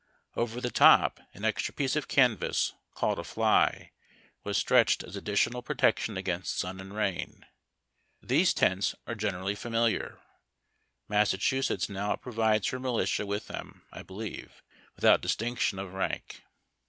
Over the top an extra piece of canvas, called a fli/, was stretclied as additional protection against sun and rain. These tents are generally familiai". Massachusetts now pro vides her militia with them, I believe, without distinction of rank.